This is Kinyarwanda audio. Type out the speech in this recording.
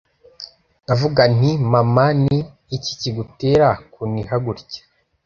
nkavuga nti 'mama, ni iki kigutera kuniha gutya